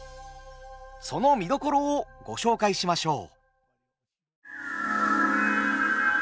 その見どころをご紹介しましょう。